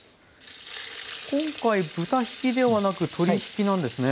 今回豚ひきではなく鶏ひきなんですね。